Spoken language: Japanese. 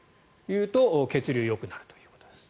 血流がよくなるということです。